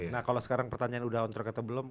nah kalo sekarang pertanyaan udah on track atau belum